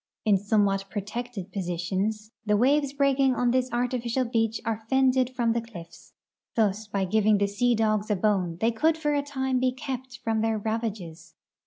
In somewhat protected positions the waves l>reaking on this artificial beach are fended from the cliffs. Thus by giving the sea dogs a bone they could for a time be kept from their ravages.